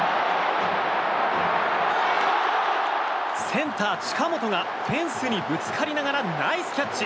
センターの近本がフェンスにぶつかりながらナイスキャッチ！